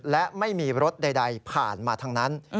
และไม่มีรถใดผ่านมาทั้งนั้น